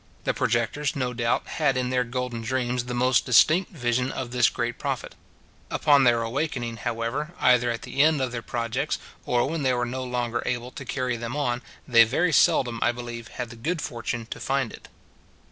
The projectors, no doubt, had in their golden dreams the most distinct vision of this great profit. Upon their awakening, however, either at the end of their projects, or when they were no longer able to carry them on, they very seldom, I believe, had the good fortune to find it.